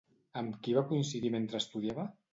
Amb qui va coincidir mentre estudiava?